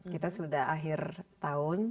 kita sudah akhir tahun